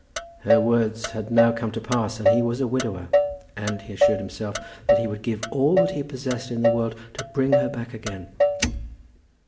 Her words had now come to pass, and he was a widower, and he assured himself that he would give all that he possessed in the world to bring her back again.